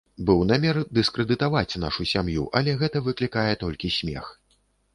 Быў намер дыскрэдытаваць нашу сям'ю, але гэта выклікае толькі смех.